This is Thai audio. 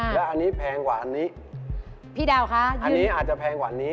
แล้วอันนี้แพงกว่าอันนี้พี่ดาวคะอันนี้อาจจะแพงกว่านี้